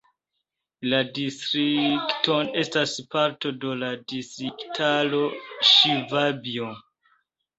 La distrikto estas parto de la distriktaro Ŝvabio.